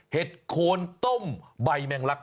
เห็ดโคนต้มใบแมงลักษ